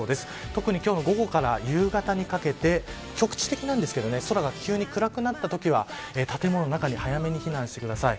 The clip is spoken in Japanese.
特に今日の午後から夕方にかけて局地的なんですけれど空が急に暗くなったときは建物の中に早めに避難してください。